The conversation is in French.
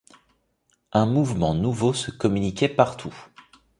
Un mouvement nouveau se communiquait partout.